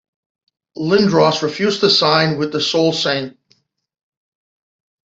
Lindros refused to sign with the Sault Ste.